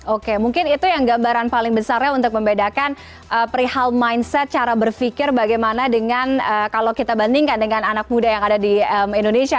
oke mungkin itu yang gambaran paling besarnya untuk membedakan perihal mindset cara berpikir bagaimana dengan kalau kita bandingkan dengan anak muda yang ada di indonesia